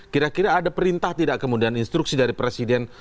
kira kira ada perintah tidak kemudian instruksi dari presiden